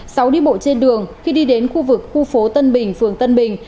sáu đi bộ trên đường khi đi đến khu vực khu phố tân bình phường tân bình